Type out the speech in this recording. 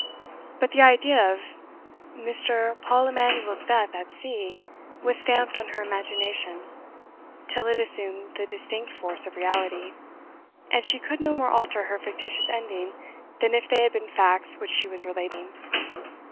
But the idea of M. Paul Emanuel's death at sea was stamped on her imagination till it assumed the distinct force of reality; and she could no more alter her fictitious ending than if they had been facts which she was relating.